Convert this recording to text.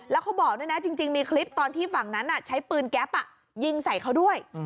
แล้วเขาบอกด้วยนะจริงมีคลิปตอนที่ฝั่งนั้นใช้ปืนแก๊ปยิงใส่เขาด้วย